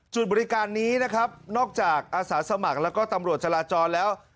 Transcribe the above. จุดบริการนี้นะครับนอกจากอาสาสมัครแล้วก็ตำรวจจราจรแล้ว